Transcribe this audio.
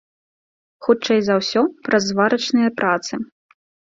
Хутчэй за ўсё, праз зварачныя працы.